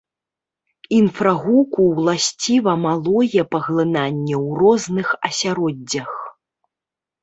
Інфрагуку ўласціва малое паглынанне ў розных асяроддзях.